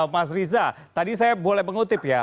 mas riza tadi saya boleh mengutip ya